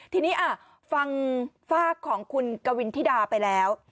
ทีนี้ฟังฝากของคุณกวินธิดาไปแล้ว